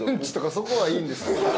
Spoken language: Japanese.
そこはいいんです。